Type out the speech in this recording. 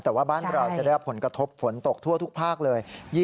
แต่ว่าบ้านเราจะได้รับผลกระทบฝนตกทั่วทุกภาคเลย